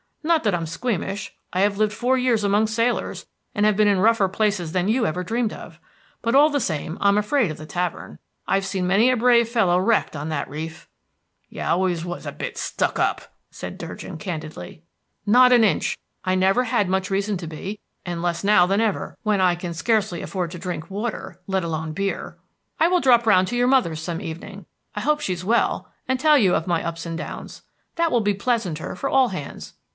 Not that I'm squeamish; I have lived four years among sailors, and have been in rougher places than you ever dreamed of; but all the same I am afraid of the tavern. I've seen many a brave fellow wrecked on that reef." "You always was a bit stuck up," said Durgin candidly. "Not an inch. I never had much reason to be; and less now than ever, when I can scarcely afford to drink water, let alone beer. I will drop round to your mother's some evening I hope she's well, and tell you of my ups and downs. That will be pleasanter for all hands."